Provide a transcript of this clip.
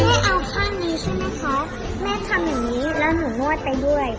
เอาข้อนี้ใช่ไหมคะแม่ทำอย่างงี้แล้วหนูนวดไปด้วย